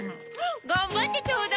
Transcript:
頑張ってちょうだい！